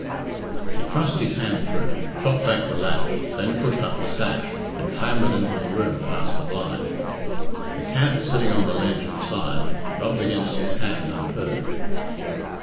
He thrust his hand through, shot back the latch, then pushed up the sash, and clambered into the room past the blind. The cat, sitting on the ledge inside, rubbed against his hand and purred.